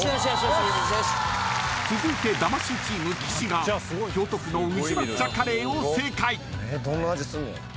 ［続いて魂チーム岸が京都府の宇治抹茶カレーを正解］